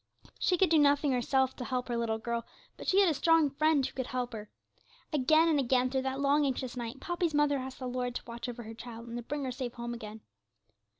She could do nothing herself to help her little girl, but she had a strong Friend who could help her. Again and again, through that long anxious night, Poppy's mother asked the Lord to watch over her child, and to bring her safe home again.